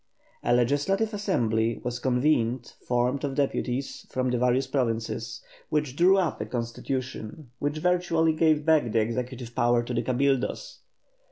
A Legislative Assembly was convened, formed of deputies from the various provinces, which drew up a constitution which virtually gave back the executive power to the Cabildos.